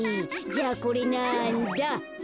じゃあこれなんだ？